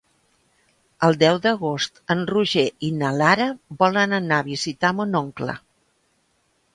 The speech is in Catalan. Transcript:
El deu d'agost en Roger i na Lara volen anar a visitar mon oncle.